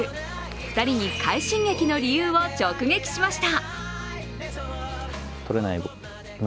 ２人に快進撃の理由を直撃しました。